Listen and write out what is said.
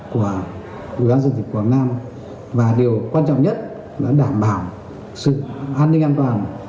của ubnd quảng nam và điều quan trọng nhất là đảm bảo sự an ninh an toàn